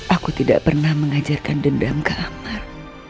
aku tidak pernah mengajarkan dendam ke amar